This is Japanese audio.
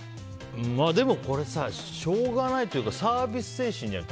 でも、これしょうがないというかサービス精神じゃない？